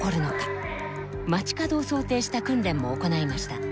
街角を想定した訓練も行いました。